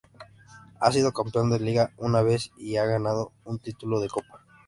Ha sido campeón de liga una vez y ha ganado un título de copa.